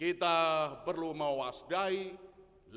kita perlu mewasdai lima permukaan